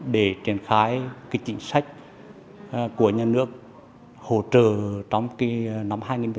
để triển khai chính sách của nhà nước hỗ trợ trong năm hai nghìn một mươi tám